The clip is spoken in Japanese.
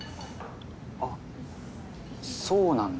あっそうなんだ。